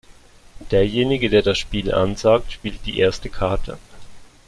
Derjenige, der das Spiel ansagt, spielt die erste Karte.